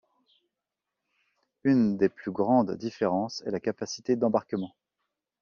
Une des plus grandes différences est la capacité d'embarquement.